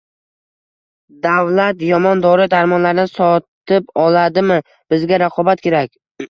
Davlat yomon dori -darmonlarni sotib oladimi? Bizga raqobat kerak